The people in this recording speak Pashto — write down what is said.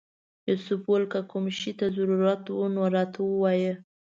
یوسف وویل که کوم شي ته ضرورت و نو راته ووایه.